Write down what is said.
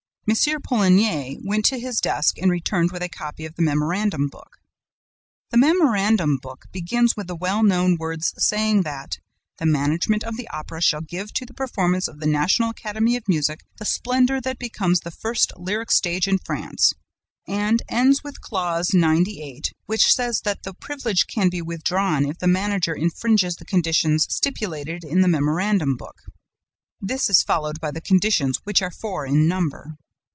Poligny went to his desk and returned with a copy of the memorandum book. The memorandum book begins with the well known words saying that 'the management of the Opera shall give to the performance of the National Academy of Music the splendor that becomes the first lyric stage in France' and ends with Clause 98, which says that the privilege can be withdrawn if the manager infringes the conditions stipulated in the memorandum book. This is followed by the conditions, which are four in number.